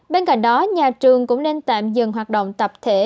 bên cạnh đó nhà trường cũng nên tạm dừng hoạt động tập thể